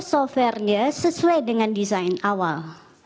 software nya sesuai dengan desain awal